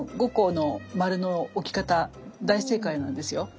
５個の丸の置き方大正解なんですよ。